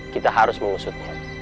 kita harus mengusutnya